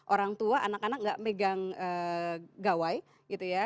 orang tua anak anak tidak memegang gawai gitu ya